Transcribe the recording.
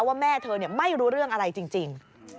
ว่าแม่เธอไม่รู้เรื่องอะไรจริง